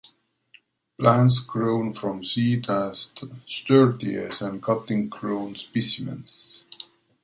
Plants grown from seed are sturdier than cutting-grown specimens.